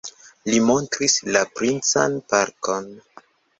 Li montris la princan parkon.